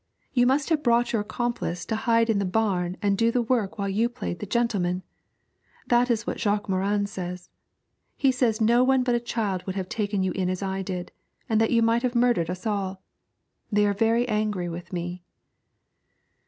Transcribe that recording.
You must have brought your accomplice to hide in the barn and do the work while you played the gentleman! That is what Jacques Morin says; he says no one but a child would have taken you in as I did, and that you might have murdered us all. They are very angry with me.'